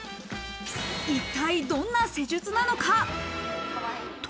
一体どんな施術なのか？と。